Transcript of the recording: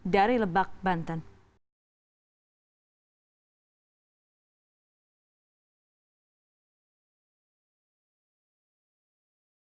dari lebak banten